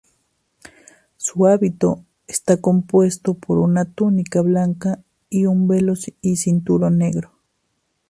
Su hábito está compuesto por una túnica blanca y un velo y cinturón negro.